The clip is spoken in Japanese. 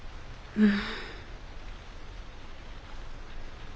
うん。